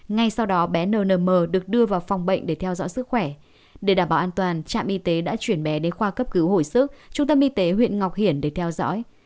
ngay sau đó bé nnm được đưa vào phòng bệnh để theo dõi sức khỏe để đảm bảo an toàn trạm y tế đã chuyển bé đến khoa cấp cứu hồi sức trung tâm y tế huyện ngọc hiển để theo dõi